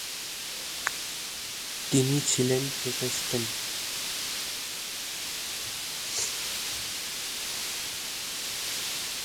তিনি ছিলেন প্রটেস্টান্ট।